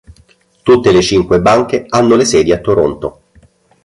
Tutte le cinque banche hanno le sedi a Toronto.